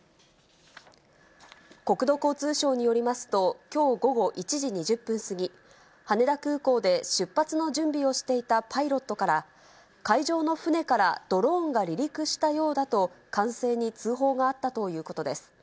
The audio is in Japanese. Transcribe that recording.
国土交通省によりますと、きょう午後１時２０分過ぎ、羽田空港で出発の準備をしていたパイロットから、海上の船からドローンが離陸したようだと、管制に通報があったということです。